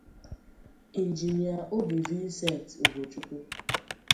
Injinia Obi Vincent Ugochukwu